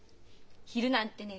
昼なんてね